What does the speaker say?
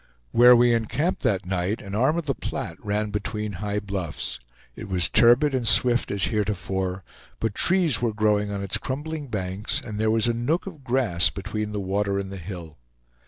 Where we encamped that night, an arm of the Platte ran between high bluffs; it was turbid and swift as heretofore, but trees were growing on its crumbling banks, and there was a nook of grass between the water and the hill.